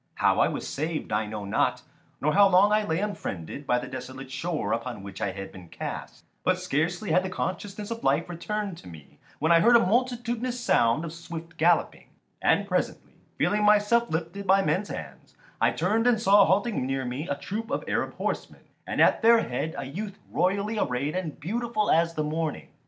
How I was saved I know not, nor how long I lay unfriended by the desolate shore upon which I had been cast; but scarcely had the consciousness of life returned to me when I heard a multitudinous sound of swift galloping; and presently, feeling myself lifted by men's hands, I turned and saw halting near me a troop of Arab horsemen, and at their head a youth royally arrayed and beautiful as the morning.